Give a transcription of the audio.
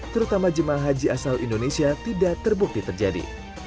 terutama jemaah haji asal indonesia tidak terbukti terjadi